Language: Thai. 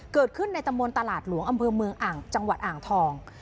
ในตำบลตลาดหลวงอำเภอเมืองอ่างจังหวัดอ่างทอง